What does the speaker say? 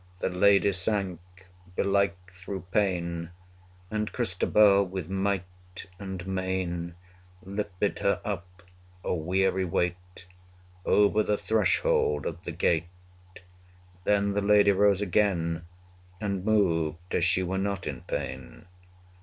The lady sank, belike through pain, And Christabel with might and main 130 Lifted her up, a weary weight, Over the threshold of the gate: Then the lady rose again, And moved, as she were not in pain.